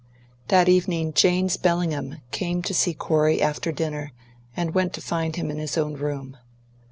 THAT evening James Bellingham came to see Corey after dinner, and went to find him in his own room.